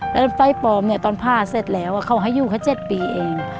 แล้วไฟปลอมตอนพาดเสร็จแล้วเขาให้อยู่กัน๗ปีเอง